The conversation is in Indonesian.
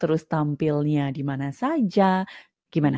terus tampilnya dimana saja gimana